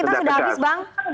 kita sudah habis bang